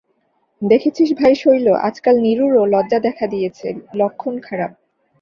দেখেছিস ভাই শৈল, আজকাল নীরুরও লজ্জা দেখা দিয়েছে– লক্ষণ খারাপ।